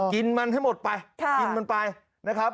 กินมันให้หมดไปนะครับ